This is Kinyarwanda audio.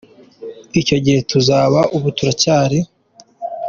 Icyo gihe tuzaba Ubu turacyari.